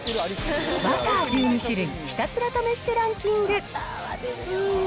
バター１２種類、ひたすら試してランキング。